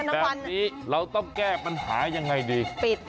แบบนี้เราต้องแก้ปัญหายังไงดี